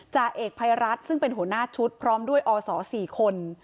จ่าเอกภัยรัฐซึ่งเป็นหัวหน้าชุดพร้อมด้วยอศ๔คน